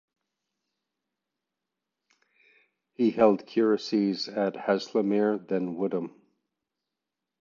He held curacies at Haslemere then Woodham.